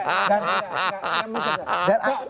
masalahnya kan bukan pembicaraan yang